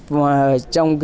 và trong cái